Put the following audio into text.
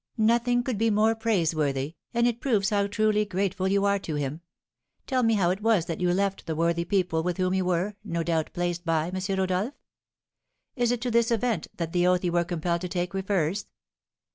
"Nothing could be more praiseworthy, and it proves how truly grateful you are to him. Tell me how it was that you left the worthy people with whom you were, no doubt, placed by M. Rodolph? Is it to this event that the oath you were compelled to take, refers?"